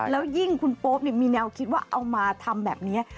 แล้วยิ่งคุณโป๊ปมีแนวคิดว่าเอามาทำแบบนี้